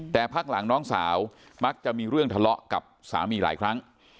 แต่พักหลังน้องสาวมักจะมีเรื่องทะเลาะกับสามีหลายครั้ง